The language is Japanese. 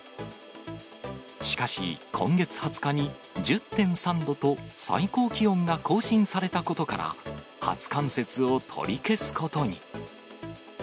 しかし、今月２０日に１０．３度と最高気温が更新されたことから、初冠雪を取り消すことに。